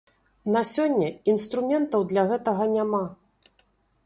На сёння інструментаў для гэтага няма.